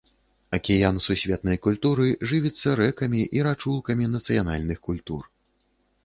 Акіян сусветнай культуры жывіцца рэкамі і рачулкамі нацыянальных культур.